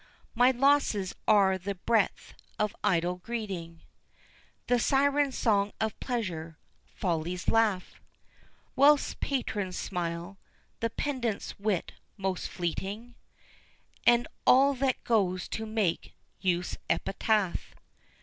My losses are the breath of idle greeting, The siren song of pleasure, folly's laugh, Wealth's patron smile, the pedant's wit most fleeting, And all that goes to make youth's epitaph.